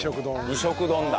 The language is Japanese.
二色丼だ。